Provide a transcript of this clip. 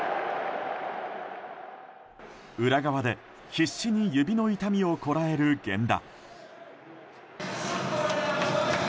裏側で必死に指の痛みをこらえる源田。